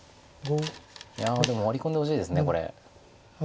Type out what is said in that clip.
いやでもワリ込んでほしいですこれ。